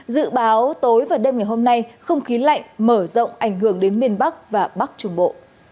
dự báo tối và đêm ngày hôm nay không khí lạnh mở rộng ảnh hưởng đến miền bắc và bắc trung bộ